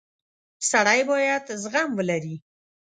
• سړی باید زغم ولري.